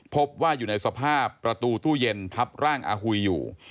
พบว่าอยู่ในสภาพประตูตู้เย็นทับร่างอาหุยอยู่